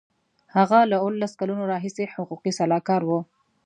هغه له اوولس کلونو راهیسې حقوقي سلاکار و.